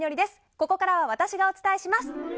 ここからは私がお伝えします。